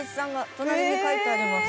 隣に書いてあります。